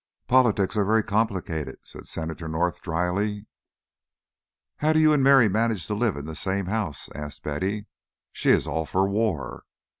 "Politics are very complicated," said Senator North, dryly. "How do you and Mary manage to live in the same house?" asked Betty. "She is all for war."